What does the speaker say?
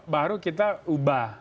baru kita ubah